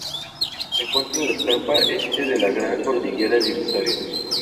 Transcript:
Se encuentra en la escarpa este de la Gran Cordillera Divisoria.